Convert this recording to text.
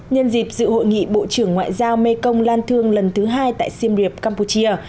nhân dịp dự hội nghị bộ trưởng ngoại giao mekong lan thương lần thứ hai tại siem reap campuchia